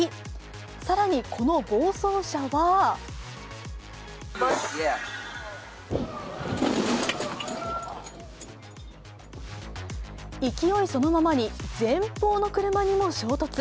更にこの暴走車は勢いそのままに、前方の車にも衝突。